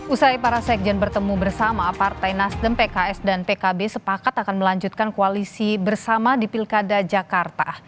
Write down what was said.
usai para sekjen bertemu bersama partai nasdem pks dan pkb sepakat akan melanjutkan koalisi bersama di pilkada jakarta